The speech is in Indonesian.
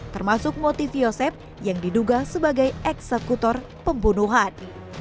termasuk motif yosep yang diduga sebagai eksekutor pembunuhan